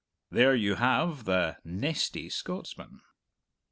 There you have the "nesty" Scotsman.